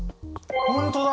本当だ！